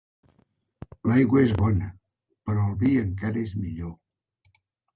L'aigua és bona, però el vi encara és millor.